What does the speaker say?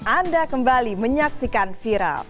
anda kembali menyaksikan viral